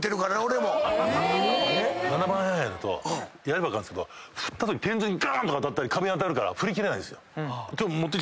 ７番アイアンだとやれば分かるんですけど振ったとき天井に当たったり壁に当たるから振り切れないんですよ。